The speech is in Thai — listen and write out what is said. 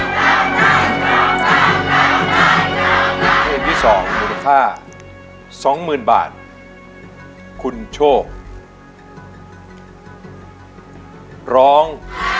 เทพที่๒มูลค่า๒หมื่นบาทคุณโชคร้อง